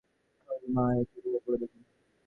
বিনয় কহিল, মা, এই চিঠিখানা পড়ে দেখো।